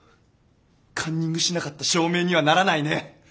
カンニングしなかった証明にはならないね。